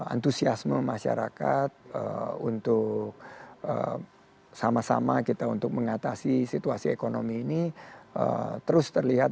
antusiasme masyarakat untuk sama sama kita untuk mengatasi situasi ekonomi ini terus terlihat